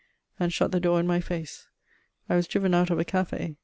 and shut the door in my face. I was driven out of a café.